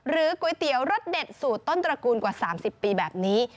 ก๋วยเตี๋ยวรสเด็ดสูตรต้นตระกูลกว่า๓๐ปีแบบนี้